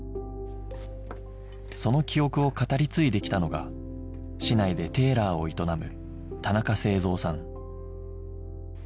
その記憶を語り継いできたのが市内でテーラーを営む田中誠三さん